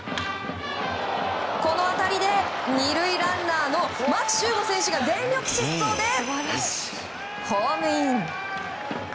この当たりで２塁ランナーの牧秀悟選手が全力疾走でホームイン。